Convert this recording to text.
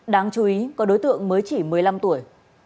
đáng chú ý có đối tượng mới chỉ một mươi năm tuổi